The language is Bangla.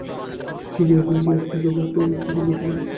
নদিয়া, আপনি কি আপনার ড্রাইভারকে একটু বলে দেবেন আমাকে পৌঁছে দিতে?